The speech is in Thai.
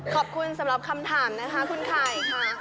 ขอบคุณสำหรับคำถามนะคะคุณไข่ค่ะ